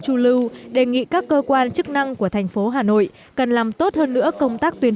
chu lưu đề nghị các cơ quan chức năng của thành phố hà nội cần làm tốt hơn nữa công tác tuyên